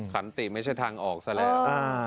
ขันติไม่ใช่ทางออกซะแล้ว